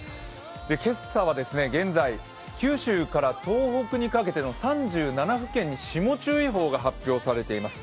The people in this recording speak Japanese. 今朝は九州から東北にかけての３７府県に霜注意報が出ています。